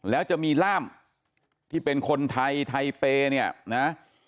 แล้วจะมีล่ามที่เป็นคนไทยไทเปย์เนี่ยนะ